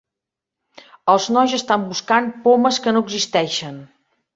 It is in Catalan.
Els nois estan buscant pomes que no existeixen.